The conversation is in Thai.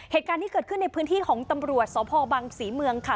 เหตุการณ์ที่เกิดขึ้นในพื้นที่ของตำรวจสพบังศรีเมืองค่ะ